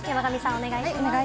お願いします。